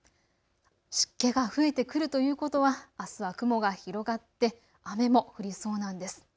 湿気が増えてくるということはあすは雲が広がって雨も降りそうなんです。